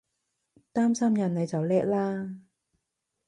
擔心人你就叻喇！